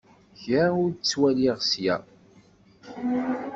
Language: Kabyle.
Kra ur t-ttwaliɣ ssya.